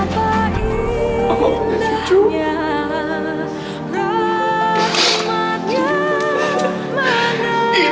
manusia takkan bisa sempurna